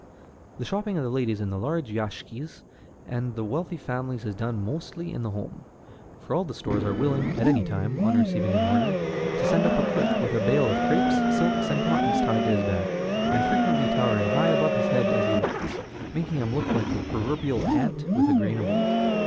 The shopping of the ladies of the large yashikis and of wealthy families is done mostly in the home; for all the stores are willing at any time, on receiving an order, to send up a clerk with a bale of crêpes, silks, and cottons tied to his back, and frequently towering high above his head as he walks, making him look like the proverbial ant with a grain of wheat.